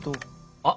あっ！